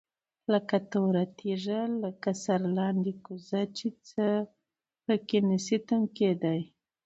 لكه توره تيږه، لكه سرلاندي كوزه چي څه په كي نشي تم كېدى